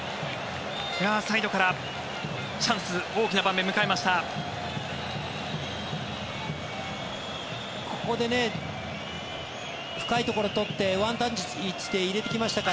サイドからチャンス大きな場面を迎えました。